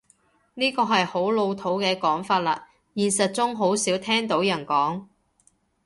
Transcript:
呢個係好老土嘅講法喇，現實中好少聽到人講